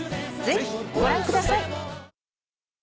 ぜひご覧ください。